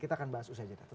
kita akan bahas usai cerita